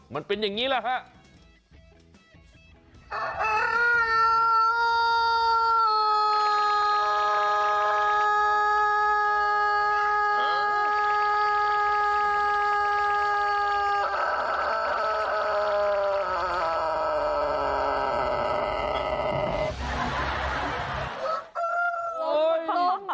มันเป็นอย่างนี้แหละครับ